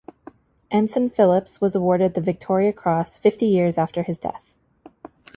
Ensign Phillipps was awarded the Victoria Cross fifty years after his death.